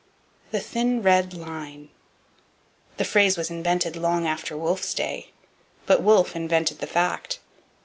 'The thin red line.' The phrase was invented long after Wolfe's day. But Wolfe invented the fact.